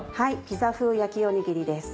「ピザ風焼きおにぎり」です。